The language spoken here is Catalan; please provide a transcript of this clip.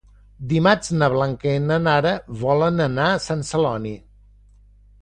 Dimarts na Blanca i na Nara volen anar a Sant Celoni.